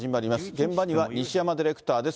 現場には西山ディレクターです。